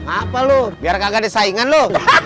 apa lu biar kagak disaingan lu